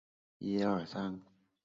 民国二十八年在任上病逝。